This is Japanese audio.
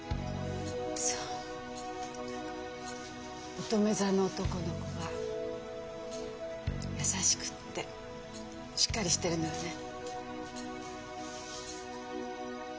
そう乙女座の男の子は優しくってしっかりしてるのよね。